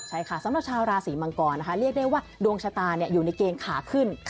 ใช่ค่ะสำหรับชาวราศีมังกรนะคะเรียกได้ว่าดวงชะตาอยู่ในเกณฑ์ขาขึ้น